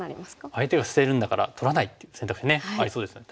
相手が捨てるんだから取らないっていう選択肢ねありそうですよね。